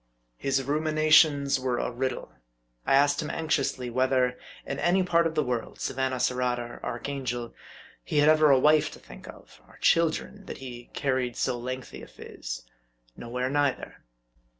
His ruminations were a riddle. I asked him anxiously, whether, in any part of the world, Savannah, Surat, or Archangel, he had ever a wife to think of ; or children, that he carried so lengthy a phiz. Nowhere neither.